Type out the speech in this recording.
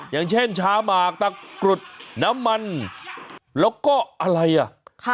อย่างเช่นชาหมากตะกรุดน้ำมันแล้วก็อะไรอ่ะค่ะ